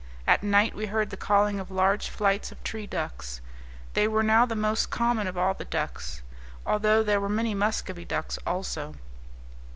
At night we heard the calling of large flights of tree ducks. These were now the most common of all the ducks, although there were many muscovy ducks also.